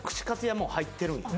もう入ってるんよ